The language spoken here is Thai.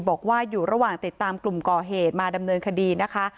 บอกว่าอยู่ระหว่างติดตามกลุ่มก่อเหตุมาดำเนินคดีนะคะ